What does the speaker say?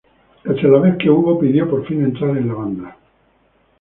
Casi a la vez que Hugo pidió por fin entrar en la banda.